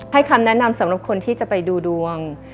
คำแนะนำสำหรับคนที่จะไปดูดวง